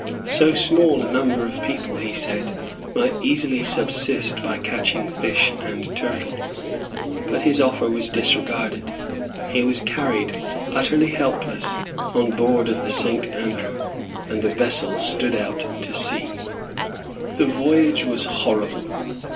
So small a number of people, he said, might easily subsist by catching fish and turtles. But his offer was disregarded; he was carried, utterly helpless, on board of the Saint Andrew; and the vessel stood out to sea. The voyage was horrible.